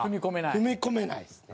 踏み込めないですね。